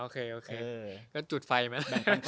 ก็จุดไฟมั้ย